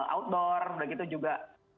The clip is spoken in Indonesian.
outdoor dan gitu juga